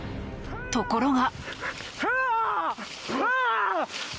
ところが。